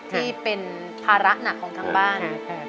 ที่เป็นภาระหนักของทางบ้าน